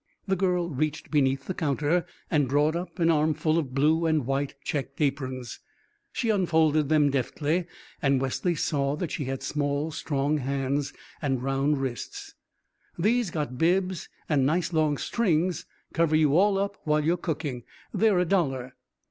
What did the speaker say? The girl reached beneath the counter and brought up an armful of blue and white checked aprons. She unfolded them deftly, and Wesley saw that she had small strong hands and round wrists. "These got bibs and nice long strings, cover you all up while you're cooking. They're a dollar."